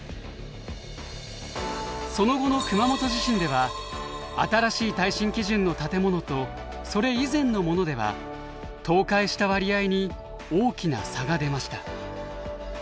その後の熊本地震では新しい耐震基準の建物とそれ以前のものでは倒壊した割合に大きな差が出ました。